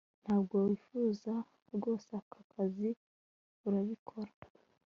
ntabwo wifuza rwose aka kazi, urabikora